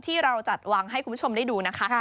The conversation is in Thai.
ที่เราจัดวางให้คุณผู้ชมได้ดูนะคะ